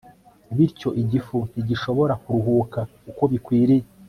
Bityo igifu ntigishobora kuruhuka uko bikwiriye